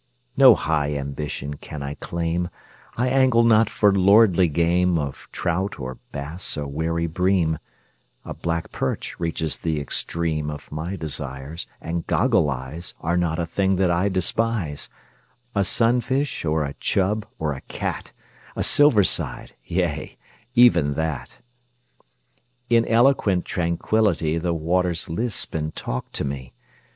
No high ambition can I claim I angle not for lordly game Of trout, or bass, or wary bream A black perch reaches the extreme Of my desires; and "goggle eyes" Are not a thing that I despise; A sunfish, or a "chub," or a "cat" A "silver side" yea, even that! In eloquent tranquility The waters lisp and talk to me.